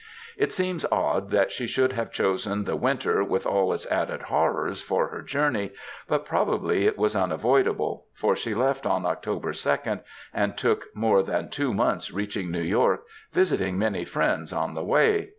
It seems odd that she should have chosen the winter, with all its added horrors, for her journey, but probably it was unavoidable, for she left on October 2, and took more than two months reaching New York, visiting many friends on the way.